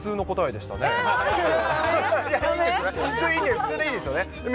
普通でいいですよね。